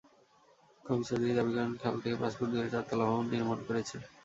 খবির চৌধুরী দাবি করেন, খাল থেকে পাঁচ ফুট দূরে চারতলা ভবন নির্মাণ করেছেন।